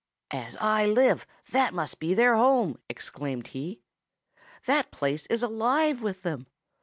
"'As I live, that must be their home!' exclaimed he. 'That place is alive with them.